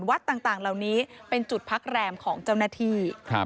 วัดต่างเหล่านี้เป็นจุดพักแรมของเจ้าหน้าที่